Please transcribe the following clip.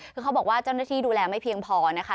คือเขาบอกว่าเจ้าหน้าที่ดูแลไม่เพียงพอนะคะ